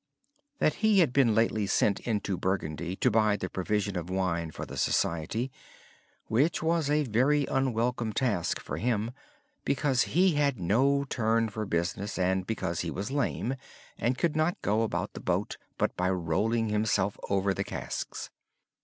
He said he had been lately sent into Burgundy to buy the provision of wine for the community. This was a very unwelcome task for him because he had no turn for business and because he was lame and could not go about the boat but by rolling himself over the casks.